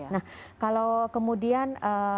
nah kalau kemudian